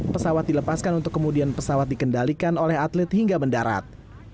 pesawat dilepaskan untuk kemudian pesawat dikendalikan oleh atlet hingga mendarat